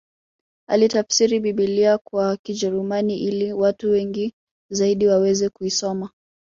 Alitafsiri Biblia kwa Kijerumani ili watu wengi zaidi waweze kuisoma